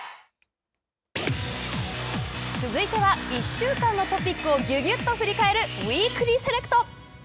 続いては１週間のトピックをぎゅぎゅっと振り返るウイークリーセレクト！